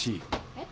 えっ！？